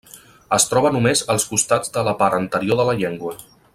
Es troba només als costats de la part anterior de la llengua.